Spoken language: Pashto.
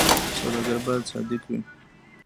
سوداګر باید صادق وي